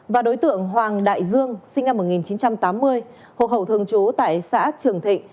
và đối tượng hoàng đại dương sinh năm một nghìn chín trăm tám mươi hộ khẩu thường trú tại xã trường thịnh